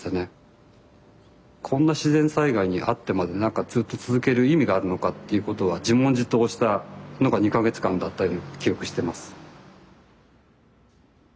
こんな自然災害に遭ってまでなんかずっと続ける意味があるのかっていうことは自問自答したのが２か月間だった記憶してます。